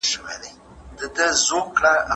د ژوند ښو او بدو پېښو منل اړین دي.